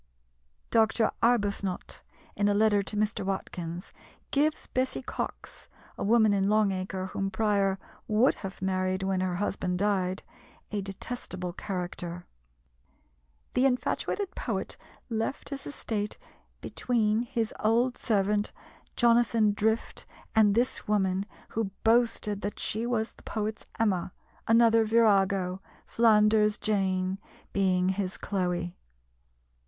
Dr. Arbuthnot, in a letter to Mr. Watkins, gives Bessy Cox a woman in Long Acre whom Prior would have married when her husband died a detestable character. The infatuated poet left his estate between his old servant Jonathan Drift, and this woman, who boasted that she was the poet's Emma, another virago, Flanders Jane, being his Chloe.